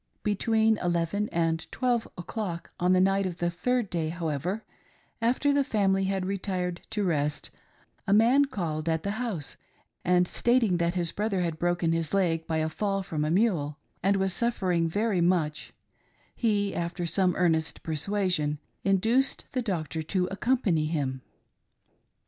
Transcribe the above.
Between eleven and twelve o'clock on the night of the third day, how ever, after the family had retired to rest, a man called at the house, and stating that his brother had broken his leg by a fall from a mule and was suffering very much, he, after some earnest persuasion, induced the doctor to accompaiiy him.